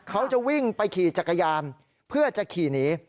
เขาจะวิ่งไปขี่จักรยานเพื่อจะขี่หนี